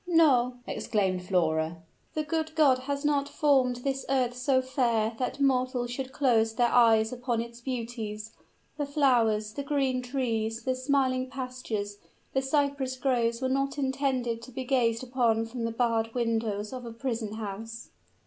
"No," exclaimed Flora, "the good God has not formed this earth so fair that mortals should close their eyes upon its beauties. The flowers, the green trees, the smiling pastures, the cypress groves were not intended to be gazed upon from the barred windows of a prison house."